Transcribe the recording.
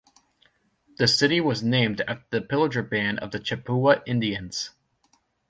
The city was named after the Pillager Band of Chippewa Indians.